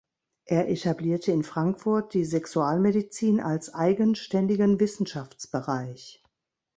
Er etablierte in Frankfurt die Sexualmedizin als eigenständigen Wissenschaftsbereich.